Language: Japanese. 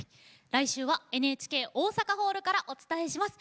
来週はＮＨＫ大阪ホールからお伝えします。